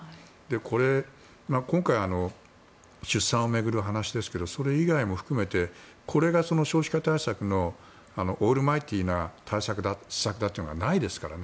これ、今回出産を巡る話ですがそれ以外も含めてこれが少子化対策のオールマイティーな対策だというのはないですからね。